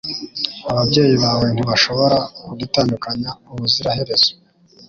Ababyeyi bawe ntibashobora kudutandukanya ubuziraherezo.